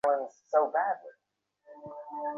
তোমাকে কোথাও পেলাম না।